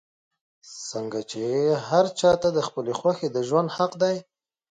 څنګ چې هر چا ته د خپلې خوښې د ژوند حق دے